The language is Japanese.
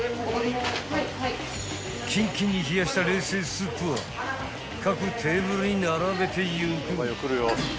［キンキンに冷やした冷製スープは各テーブルに並べていく］